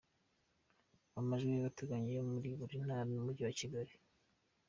Amajwi y'agateganyo yo muri buri Ntara n'Umujyi wa Kigali.